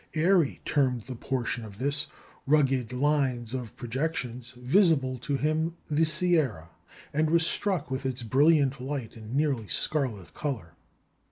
" Airy termed the portion of this "rugged lines of projections" visible to him the sierra, and was struck with its brilliant light and "nearly scarlet" colour.